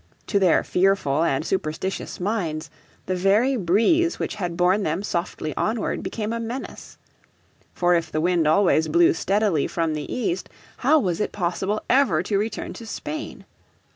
To their fearful and superstitious minds the very breeze which had borne them softly onward became a menace. For if the wind always blew steadily from the east how was it possible ever to return to Spain?